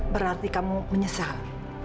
berarti kamu menyesal